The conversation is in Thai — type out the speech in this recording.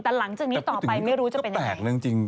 แต่หลังจากนี้ต่อไปไม่รู้จะเป็นยังไง